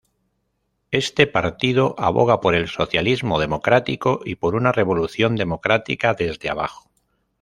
Este partido aboga por el socialismo democrático y por una revolución democrática desde abajo.